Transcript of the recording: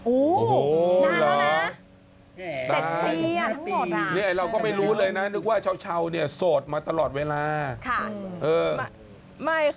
โอ้โหนานแล้วนะ๗ปีอ่ะทั้งหมดไง